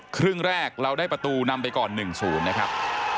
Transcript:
ครึ่งแรกเราได้ประตูนำไปก่อน๑๐นะครับ